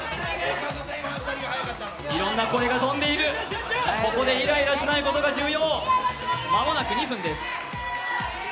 いろんな声が飛んでいる、ここでイライラしないことが重要。